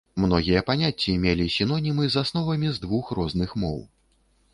Многія паняцці мелі сінонімы з асновамі з двух розных моў.